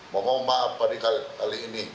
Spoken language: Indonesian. mohon maaf tadi kali ini